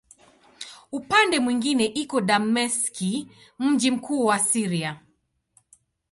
Upande mwingine iko Dameski, mji mkuu wa Syria.